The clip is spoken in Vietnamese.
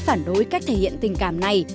phản đối cách thể hiện tình cảm này